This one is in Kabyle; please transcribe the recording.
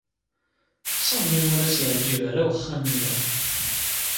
Sami ur as-yeɛjib ara uxxam-nni.